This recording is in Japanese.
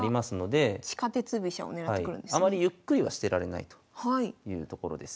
居飛車があまりゆっくりはしてられないというところです。